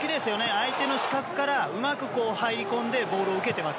相手の死角からうまく入り込んでボールを受けています。